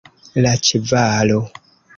La ĉevalo.